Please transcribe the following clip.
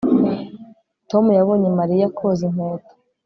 tom yabonye mariya koza inkweto